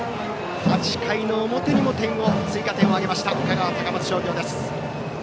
８回の表にも追加点を挙げました香川・高松商業です。